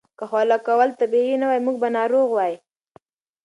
که خوله کول طبیعي نه وای، موږ به ناروغ وای.